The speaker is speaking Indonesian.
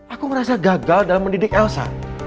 aku merasa gagal dalam mendidik elsa